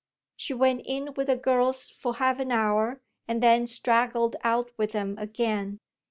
She went in with the girls for half an hour and then straggled out with them again.